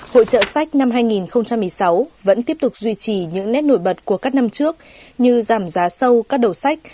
hội trợ sách năm hai nghìn một mươi sáu vẫn tiếp tục duy trì những nét nổi bật của các năm trước như giảm giá sâu các đầu sách